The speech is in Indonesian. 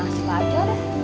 masih wajar ya